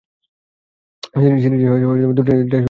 সিরিজের দুই টেস্টে অংশগ্রহণ করেন।